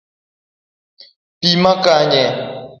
pi makanye?